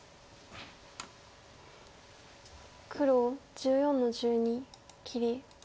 黒１４の十二切り。